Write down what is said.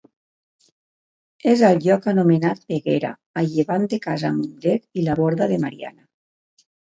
És al lloc anomenat Peguera, a llevant de Casa Mundet i la Borda de Mariana.